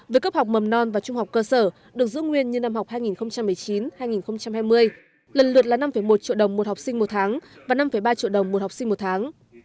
với cấp học mầm non và trung học cơ sở được giữ nguyên như năm học hai nghìn một mươi chín hai nghìn hai mươi lần lượt là năm một triệu đồng một học sinh một tháng và năm ba triệu đồng một học sinh một tháng